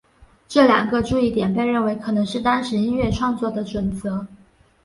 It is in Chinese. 这两个注意点被认为可能是当时音乐创作的准则。